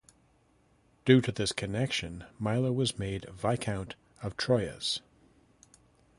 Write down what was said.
Due to this connection, Milo was made viscount of Troyes.